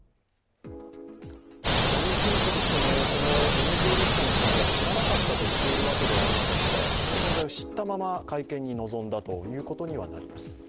ジャニーズ事務所としてもこのＮＧリストの存在を知らなかったとしているわけではありませんのでこの存在を知ったまま会見に臨んだということにはなります。